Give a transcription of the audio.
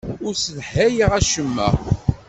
Ur sselhayeɣ acemma.